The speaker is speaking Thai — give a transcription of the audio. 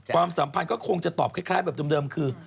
ความสัมพันธ์ก็คงจะตอบคล้ายแบบเดิมคือ